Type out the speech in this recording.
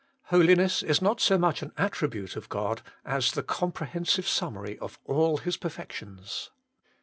Holiness is not so much an attribute of God, as the comprehensive summary of all His perfections.